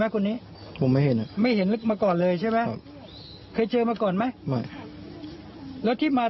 ถึงต้องฆ่ากับเขาด้วย